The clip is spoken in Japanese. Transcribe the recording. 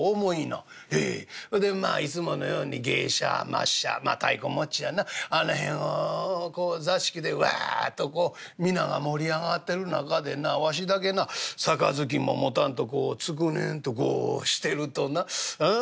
「ほいでまあいつものように芸者末社まあ太鼓持ちやなあの辺を座敷でわっとこう皆が盛り上がってる中でなわしだけな盃も持たんとこうつくねんとしてるとなあああ